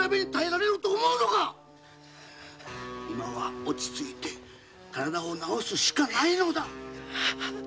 今は落ち着いて体を治すしかないのだ。